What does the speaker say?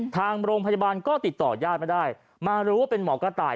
ทางโรงพยาบาลก็ติดต่อยาดไม่ได้มารู้ว่าเป็นหมอกระต่าย